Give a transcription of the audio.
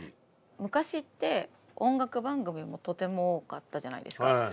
昔って音楽番組もとても多かったじゃないですか。